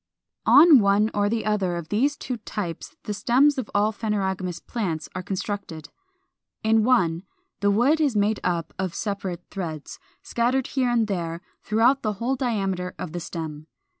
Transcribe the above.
425. On one or the other of these two types the stems of all phanerogamous plants are constructed. In one, the wood is made up of separate threads, scattered here and there throughout the whole diameter of the stem.